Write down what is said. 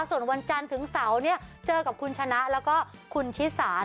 ส่วนวันจันทร์ถึงเสาร์เนี่ยเจอกับคุณชนะแล้วก็คุณชิสา